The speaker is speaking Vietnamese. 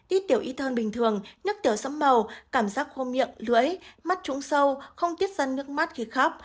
ít tiểu ít hơn bình thường nước tiểu sẫm màu cảm giác khô miệng lưỡi mắt trúng sâu không tiết ra nước mắt khi khóc